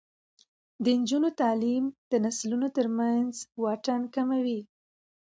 د نجونو تعلیم د نسلونو ترمنځ واټن کموي.